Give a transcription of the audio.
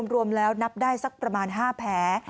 รวมแล้วนับได้สักประมาณ๕แผล